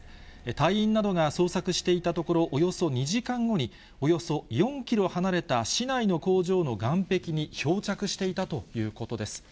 隊員などが捜索していたところ、およそ２時間後に、およそ４キロ離れた市内の工場の岸壁に漂着していたということです。